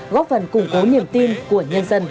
góp phần củng cố niềm tin của nhân dân